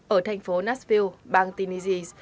ở thành phố nashville bang tennessee